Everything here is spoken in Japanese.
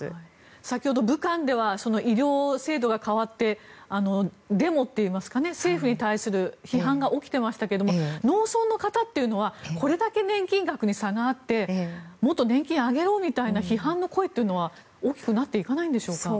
先ほど武漢では医療制度が変わってデモといいますか政府に対する批判が起きていましたが農村の方というのはこれだけ年金額に差があってもっと年金を上げろという批判の声は大きくなっていかないんでしょうか？